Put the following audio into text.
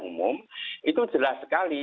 umum itu jelas sekali